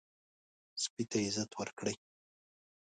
سپي ته عزت ورکړئ.